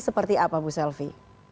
seperti apa bu selvi